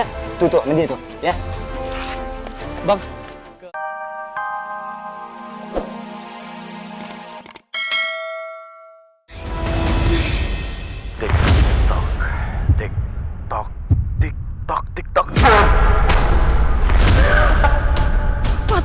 tuh tuh nanti tuh ya